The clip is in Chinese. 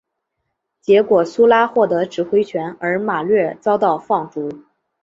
结果苏拉获得指挥权而马略遭到放逐。